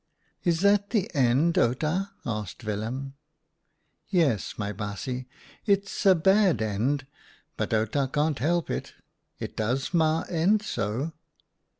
11 Is that the end, Outa? " asked Willem. " Yes, my baasje. It's a bad end, but Outa can't help it. It does maar end so."